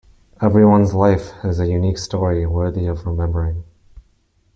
Everyone's life is a unique story worthy of remembering.